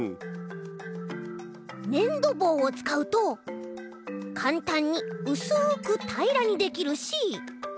ねんどぼうをつかうとかんたんにうすくたいらにできるし。